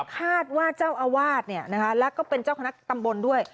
คาดว่าเจ้าอาวาสแล้วก็เป็นเจ้าคณะตำบลด้วย